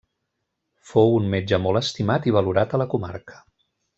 Fou un metge molt estimat i valorat a la comarca.